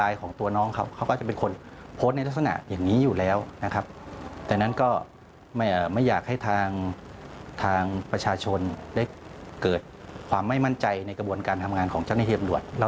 ต้องทั้งคัดค้านการประกันตัวด้วยค่ะ